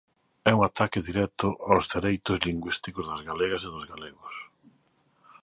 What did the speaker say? É un ataque directo aos dereitos lingüísticos das galegas e dos galegos.